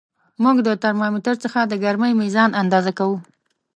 موږ د ترمامتر څخه د ګرمۍ میزان اندازه کوو.